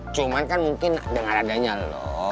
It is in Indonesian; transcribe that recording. cuman kan mungkin dengar adanya lo